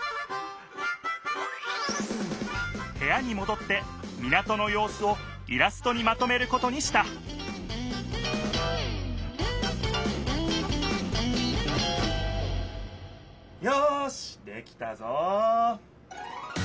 へやにもどって港のようすをイラストにまとめることにしたよしできたぞ！